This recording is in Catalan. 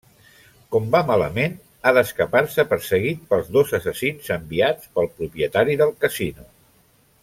Com va malament, ha d'escapar-se perseguit pels dos assassins enviats pel propietari del casino.